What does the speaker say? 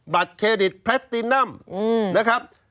บัตรเครดิตแพลตตินัมนะครับ